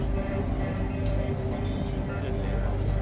นี้ไว้ให้พี่